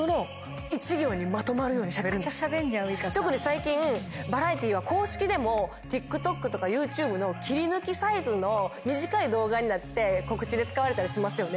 特に最近バラエティは公式でもＴｉｋＴｏｋとかＹｏｕＴｕｂｅの切り抜きサイズの短い動画になって告知で使われたりしますよね。